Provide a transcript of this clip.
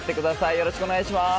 よろしくお願いします。